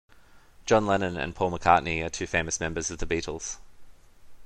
John Lennon and Paul McCartney are two famous members of the Beatles.